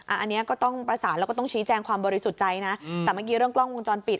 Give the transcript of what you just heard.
อันนี้ก็ต้องประสานแล้วก็ต้องชี้แจงความบริสุทธิ์ใจนะแต่เมื่อกี้เรื่องกล้องวงจรปิด